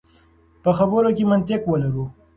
په خبرو کې منطق ولرو.